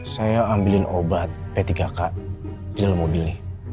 saya ambilin obat p tiga k di dalam mobilnya